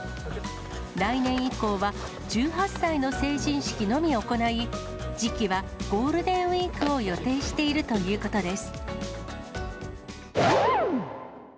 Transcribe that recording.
来年以降は、１８歳の成人式のみを行い、時期はゴールデンウィークを予定しているということです。